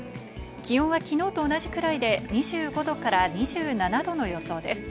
気温は昨日と同じくらいで２５度から２７度の予想です。